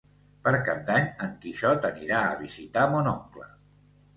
Per Cap d'Any en Quixot anirà a visitar mon oncle.